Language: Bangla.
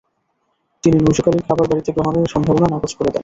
তিনি নৈশকালীন খাবার বাড়ীতে গ্রহণের সম্ভাবনা নাকচ করে দেন।